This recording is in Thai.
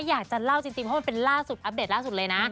อยากจะเล่าจริงเพราะมันเป็นล่าสุดอัปเดตล่าสุดเลยนะ